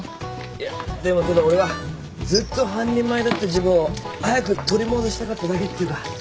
いやでもただ俺はずっと半人前だった自分を早く取り戻したかっただけっていうか。